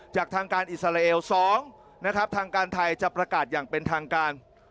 จากทางการอิสราเอล๒นะครับทางการไทยจะประกาศอย่างเป็นทางการ